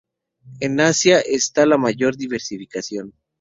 En Asia está la mayor diversificación.